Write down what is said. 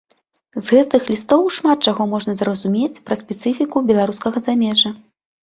З гэтых лістоў шмат чаго можна зразумець пра спецыфіку беларускага замежжа.